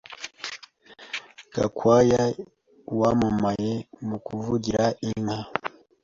Gakwaya wamamaye mukuvugira inka